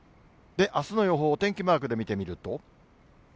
あすの予報、お天気マークで見てみると。